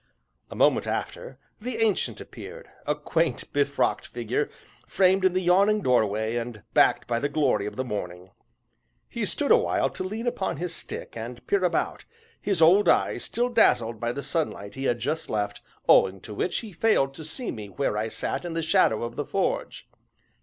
A moment after, the Ancient appeared, a quaint, befrocked figure, framed in the yawning doorway and backed by the glory of the morning. He stood awhile to lean upon his stick and peer about, his old eyes still dazzled by the sunlight he had just left, owing to which he failed to see me where I sat in the shadow of the forge.